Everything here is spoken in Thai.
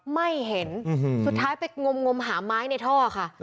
ไม่เห็นสุดท้ายไปงมหาไม้ในท่อค่ะ